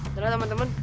udah lah teman teman